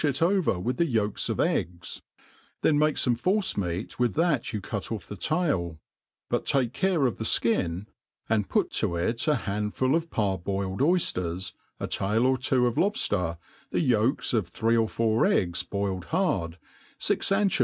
it over vi^ith the' yolks of eggs ; then make fomc force meat with that you cut off the tall, but take care of the ikin, '.■■■•..'■.. wi PLAIN ANB EASf. s^ «n9 put to it a handful of parboiled oyfters, a tail or two of lobfter, the yolks of three or four eggs boiled bard, fix ancho